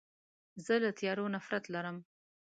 زه له تیارو نفرت لرم.